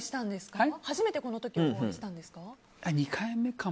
初めてこの時にお会いしたんですか？